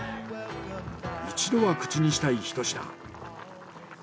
一度は口にしたい一品。